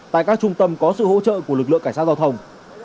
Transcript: tại các trung tâm có sự hỗ trợ của lực lượng cảnh sát giao thông